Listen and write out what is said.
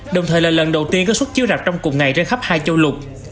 đồng thời là lần đầu tiên có xuất chiếu rạp trong cùng ngày trên khắp hai châu lục